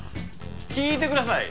聞いてください